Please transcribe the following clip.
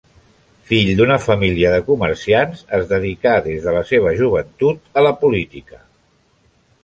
Fill d'una família de comerciants, es dedicà des de la seva joventut a la política.